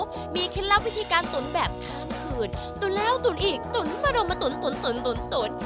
ขาหมูมีคิดเล่าวิธีการตุ๋นแบบท่านคืนตุ๋นแล้วตุ๋นอีกตุ๋นมาโดนมาตุ๋นตุ๋นตุ๋นตุ๋นตุ๋น